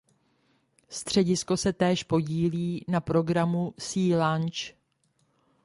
Středisko se též podílí na programu Sea Launch.